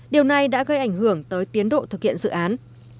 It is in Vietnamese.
điều này đã gây ảnh hưởng tới tiến độ thực hiện dự án